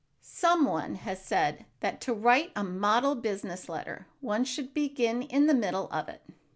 Some one has said that to write a model business letter one should "begin in the middle of it."